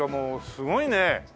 すごいね。